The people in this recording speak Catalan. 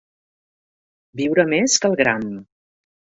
Viure més que el gram.